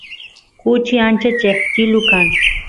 kuchi ancha cheqchilu kan